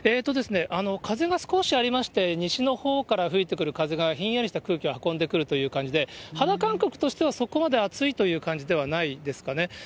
風が少しありまして、西のほうから吹いてくる風がひんやりした空気を運んでくるという感じで、肌感覚としては、そこまで暑いという感じではないですかね。